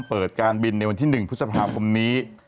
เปิดการบินในวันที่๑พฤษภาคมนี้